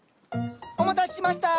お待たせしました！